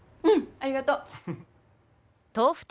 うんありがとう。